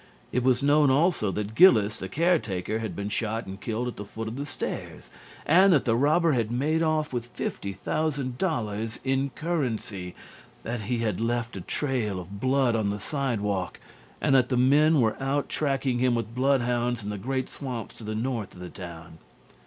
It was known also that Gillis, the caretaker, had been shot and killed at the foot of the stairs, and that the robber had made off with fifty thousand dollars in currency; that he had left a trail of blood on the sidewalk and that the men were out tracking him with bloodhounds in the great swamps to the north of the town.